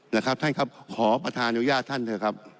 นะครับท่านครับขอประธานอนุญาตท่านเถอะครับ